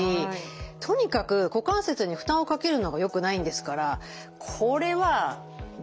とにかく股関節に負担をかけるのがよくないんですからこれは駄目でしょう。